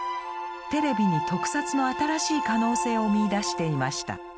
テレビに特撮の新しい可能性を見いだしていました。